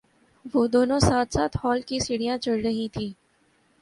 وہ دونوں ساتھ ساتھ ہال کی سٹر ھیاں چڑھ رہی تھیں